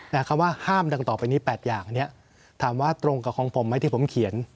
คำว่าห้ามดังต่อไปนี้แปดอย่างเนี้ยถามว่าตรงกับของผมไหมที่ผมเขียน